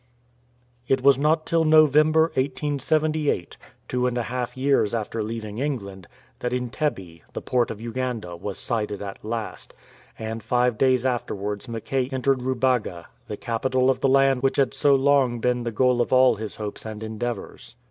'' It was not till November, 1878, two and a half years after leaving England, that Ntebe, the port of Uganda, was sighted at last ; and five days afterwards Mackay entered Rubaga, the capital of the land which had so long been the goal of all his hopes and efforts.